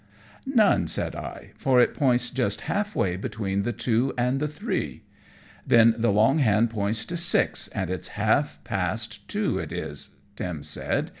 "None," said I, "for it points just half way between the two and the three." "Then the long hand points to six, and it's half past two it is," Tim said.